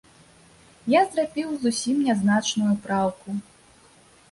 Я зрабіў зусім нязначную праўку.